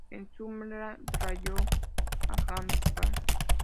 En SummerSlam derrotó a Jack Swagger.